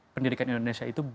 pendidikan indonesia itu